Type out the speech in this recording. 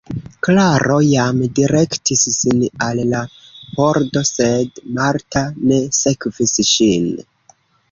Klaro jam direktis sin al la pordo, sed Marta ne sekvis ŝin.